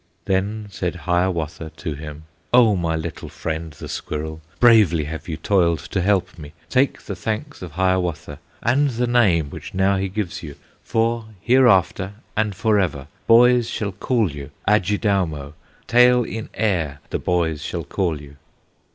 Then said Hiawatha to him, "O my little friend, the squirrel, Bravely have you toiled to help me; Take the thanks of Hiawatha, And the name which now he gives you; For hereafter and forever Boys shall call you Adjidaumo, Tail in air the boys shall call you!"